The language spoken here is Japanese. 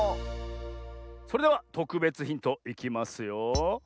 それではとくべつヒントいきますよ。